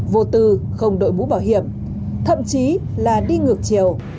vô tư không đội bú bảo hiểm thậm chí là đi ngược chiều